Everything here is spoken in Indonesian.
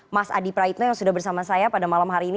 mas adi praitno yang sudah bersama saya pada malam hari ini